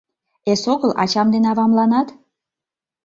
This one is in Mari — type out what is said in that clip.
Эсогыл ачам ден авамланат.